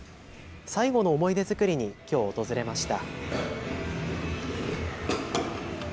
最後の思い出作りにきょう訪れました。